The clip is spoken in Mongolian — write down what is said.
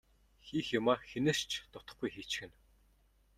Хийх юмаа хэнээс ч дутахгүй хийчихнэ.